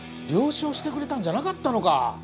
了承してくれたんじゃなかったのか？